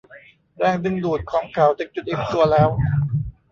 แรงดึงดูดของเขาถึงจุดอิ่มตัวแล้ว